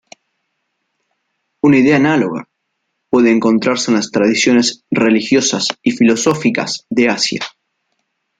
Una idea análoga puede encontrarse en las tradiciones religiosas y filosóficas de Asia.